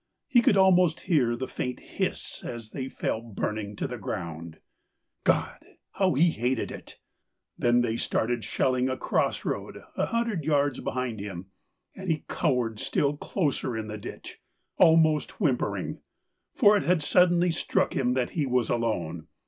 He could almost hear the faint hiss as they fell burning to the ground. God ! how he hated it ! Then they started shelling a cross road a hundred yards behind him, and he cowered still closer in the ditch, almost whimpering — for it had suddenly struck him that he was alone.